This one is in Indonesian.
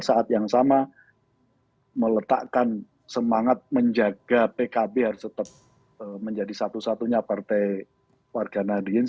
saat yang sama meletakkan semangat menjaga pkb harus tetap menjadi satu satunya partai warga nahdien